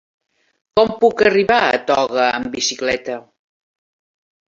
Com puc arribar a Toga amb bicicleta?